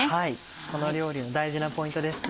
この料理の大事なポイントですね。